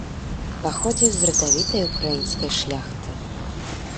Паходзіў з радавітай украінскай шляхты.